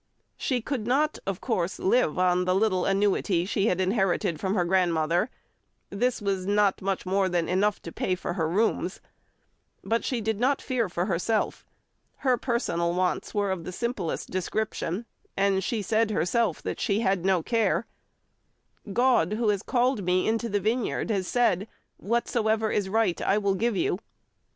She could not, of course, live on the little annuity she inherited from her grandmother; this was not much more than enough to pay for her rooms. But she did not fear for herself. Her personal wants were of the simplest description, and she said herself that she had no care: "God, who had called me into the vineyard, had said, 'Whatsoever is right, I will give you.